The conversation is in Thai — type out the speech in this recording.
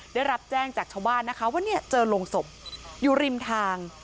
ได้รับแจ้งจากชาวบ้านนะคะว่าเนี่ยเจอโรงศพอยู่ริมทาง